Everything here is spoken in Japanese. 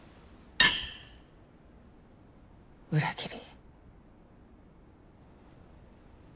裏切り。